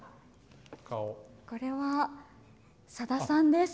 これは、さださんです！